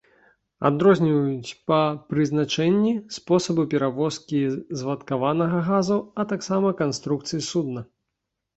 Адрозніваюць па прызначэнні, спосабу перавозкі звадкаванага газу, а таксама канструкцыі судна.